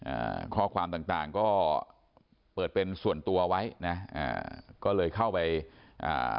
อ่าข้อความต่างต่างก็เปิดเป็นส่วนตัวไว้นะอ่าก็เลยเข้าไปอ่า